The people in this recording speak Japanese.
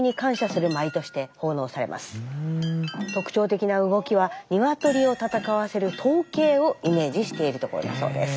特徴的な動きは鶏を戦わせる闘鶏をイメージしているところだそうです。